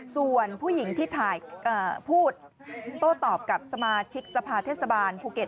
ส่วนผู้หญิงที่ถ่ายพูดโต้ตอบกับสมาชิกสภาเทศบาลภูเก็ต